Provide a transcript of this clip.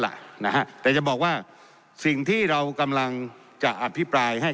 แหละนะฮะแต่จะบอกว่าสิ่งที่เรากำลังจะอภิปรายให้